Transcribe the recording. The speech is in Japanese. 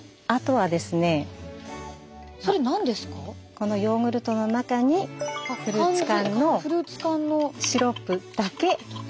このヨーグルトの中にフルーツ缶のシロップだけ。